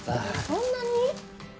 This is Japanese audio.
そんなに！？